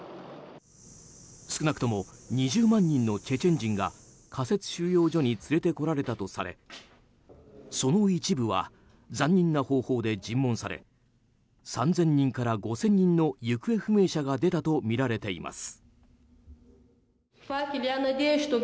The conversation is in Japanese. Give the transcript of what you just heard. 少なくとも２０万人のチェチェン人が仮設収容所に連れてこられたとされその一部は残忍な方法で尋問され３０００人から５０００人の行方不明者が出たとみられています。